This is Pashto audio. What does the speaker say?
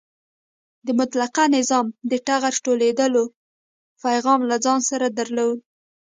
د مطلقه نظام د ټغر ټولېدو پیغام له ځان سره درلود.